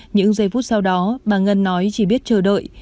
những giây phút sau đó bà ngân nói chỉ biết chờ đợi